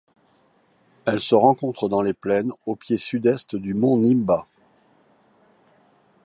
Elle se rencontre dans les plaines au pied sud-est du mont Nimba.